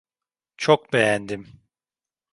Çok beğendim.